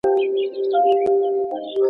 ډيجيټلي ثبت اسناد منظم ساتي.